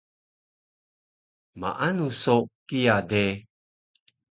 Maanu so kiya de